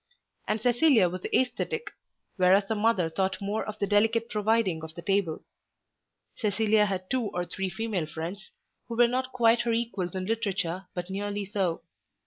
And Cecilia was æsthetic, whereas the mother thought more of the delicate providing of the table. Cecilia had two or three female friends, who were not quite her equals in literature but nearly so.